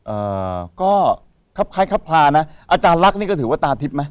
เอ่อก็ครับคล้ายครับคลานะอาจารย์ลักษณ์นี่ก็ถือว่าตาทิพย์ไหม